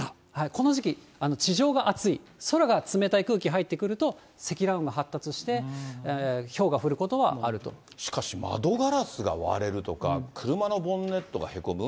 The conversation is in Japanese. この時期、地上が暑い、空が冷たい空気入ってくると積乱雲が発達して、しかし窓ガラスが割れるとか、車のボンネットがへこむ？